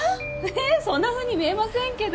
えっそんなふうに見えませんけど。